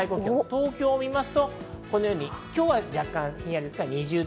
東京を見ますと今日は若干ひんやり。